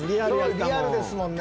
リアルですもんね。